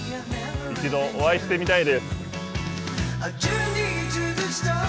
一度お会いしてみたいです。